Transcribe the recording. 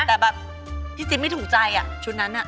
แต่แบบพี่จิ๊บไม่ถูกใจชุดนั้น